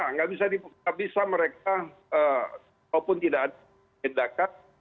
tidak bisa mereka walaupun tidak ada tindakan